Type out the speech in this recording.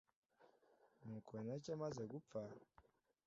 nuko Henoki amaze gupfa,